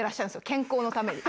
健康のために。